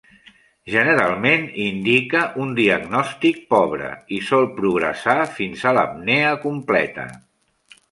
Generalment indica un diagnòstic pobre i sol progressar fins a l'apnea completa.